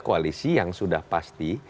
koalisi yang sudah pasti